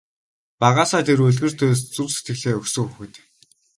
Багаасаа тэр үлгэр туульст зүрх сэтгэлээ өгсөн хүүхэд.